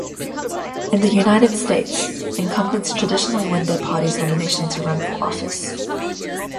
In the United States, incumbents traditionally win their party's nomination to run for office.